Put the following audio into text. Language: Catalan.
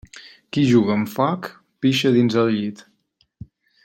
Qui juga amb foc pixa dins el llit.